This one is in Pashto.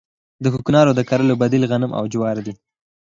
د کوکنارو د کرلو بدیل غنم او جوار دي